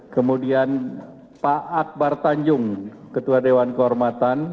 kemudian pak akbar tanjung ketua dewan kehormatan